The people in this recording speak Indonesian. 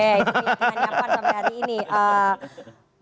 jadi jangan nyamper sampai hari ini